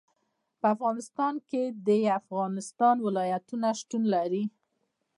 په افغانستان کې د افغانستان ولايتونه شتون لري.